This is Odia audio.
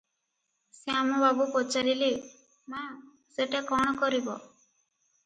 ଶ୍ୟାମବାବୁ ପଚାରିଲେ- ମା, ସେଟା କଣ କରିବ?"